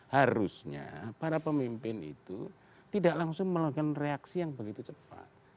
harusnya para pemimpin itu tidak langsung melakukan reaksi yang begitu cepat